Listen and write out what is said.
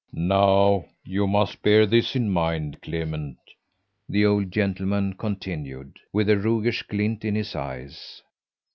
"Now you must bear this in mind, Clement," the old gentleman continued, with a roguish glint in his eyes.